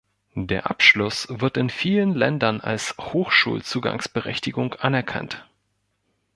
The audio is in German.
Der Abschluss wird in vielen Ländern als Hochschulzugangsberechtigung anerkannt.